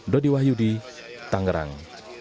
dodi wahyudi tangerang